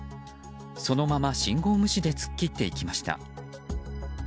そのまま信号無視で突っ切っていきました。